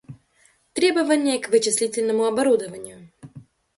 Требования к вычислительному оборудованию